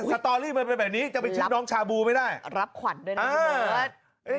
สตอรี่มันเป็นแบบนี้จะไปเช็คน้องชาบูไม่ได้รับขวัญด้วยนะ